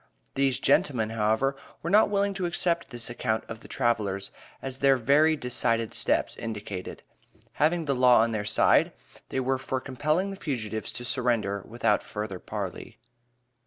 These "gentlemen," however, were not willing to accept this account of the travelers, as their very decided steps indicated. Having the law on their side, they were for compelling the fugitives to surrender without further parley.